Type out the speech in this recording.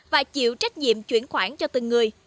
và chịu trách nhiệm chuyển khoản cho từng người